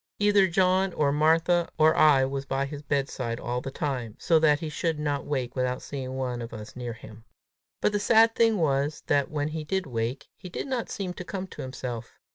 Either John or Martha or I was by his bedside all the time, so that he should not wake without seeing one of us near him. But the sad thing was, that, when he did wake, he did not seem to come to himself.